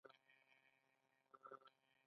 د یووالي او زغم کیسه ده.